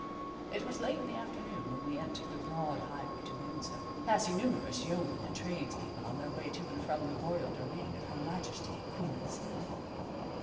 It was late in the afternoon when we entered the broad highway to Windsor, passing numerous yeomen and tradespeople on their way to and from the royal domain of Her Majesty Queen Elizabeth.